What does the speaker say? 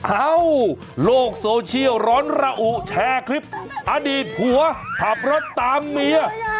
โลกโซเชียลร้อนระอุแชร์คลิปอดีตผัวขับรถตามเมีย